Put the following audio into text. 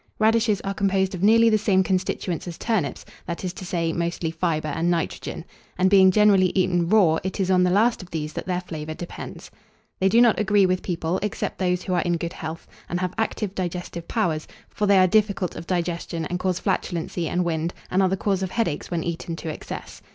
Radishes are composed of nearly the same constituents as turnips, that is to say, mostly fibre and nitrogen; and, being generally eaten raw, it is on the last of these that their flavour depends. They do not agree with people, except those who are in good health, and have active digestive powers; for they are difficult of digestion, and cause flatulency and wind, and are the cause of headaches when eaten to excess.